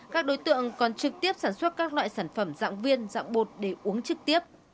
các đối tượng còn trực tiếp sản xuất các loại sản phẩm dạng viên dạng bột để uống trực tiếp